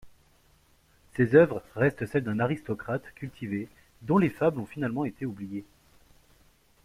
Ses œuvres restent celles d’un aristocrate cultivé dont les fables ont finalement été oubliées.